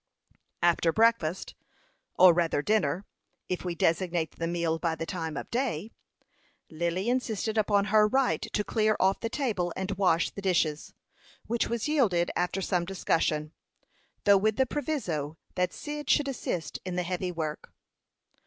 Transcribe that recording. After breakfast or rather dinner, if we designate the meal by the time of day Lily insisted upon her right to clear off the table and wash the dishes, which was yielded after some discussion, though with the proviso that Cyd should assist in the heavy work.